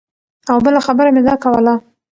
او بله خبره مې دا کوله